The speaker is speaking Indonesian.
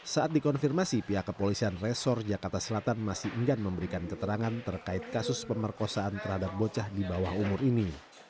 saat dikonfirmasi pihak kepolisian resor jakarta selatan masih enggan memberikan keterangan terkait kasus pemerkosaan terhadap bocah di bawah umur ini